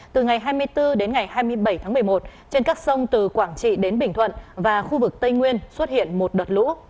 từ ngày hai mươi bốn đến ngày hai mươi bảy tháng một mươi một trên các sông từ quảng trị đến bình thuận và khu vực tây nguyên xuất hiện một đợt lũ